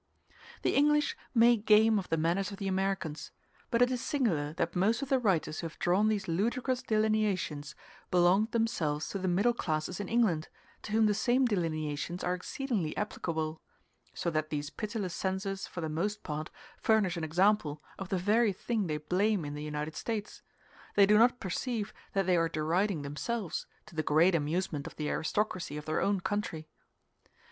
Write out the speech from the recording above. The English make game of the manners of the Americans; but it is singular that most of the writers who have drawn these ludicrous delineations belonged themselves to the middle classes in England, to whom the same delineations are exceedingly applicable: so that these pitiless censors for the most part furnish an example of the very thing they blame in the United States; they do not perceive that they are deriding themselves, to the great amusement of the aristocracy of their own country.